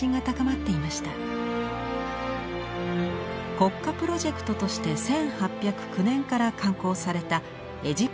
国家プロジェクトとして１８０９年から刊行された「エジプト誌」。